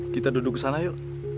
kita duduk kesana yuk